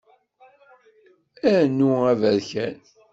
Anu aberkan.